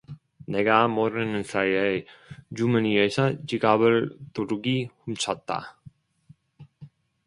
내가 모르는 사이에 주머니에서 지갑을 도둑이 훔쳤다